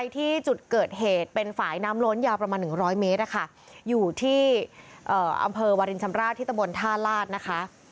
ที่อำเภอวรินชำราชที่ตะบนท่าลาศนะคะ